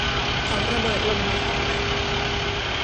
เขาระเบิดลงในห้องนั่น